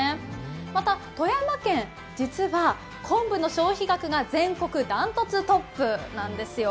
また、富山県、実は昆布の消費額が全国断トツトップなんですよ。